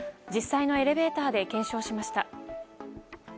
実際のエレベーターで検証しました。